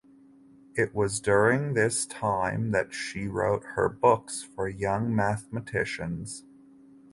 It was during this time that she wrote her books for young mathematicians.